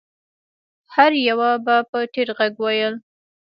هر يوه به په ټيټ غږ ويل.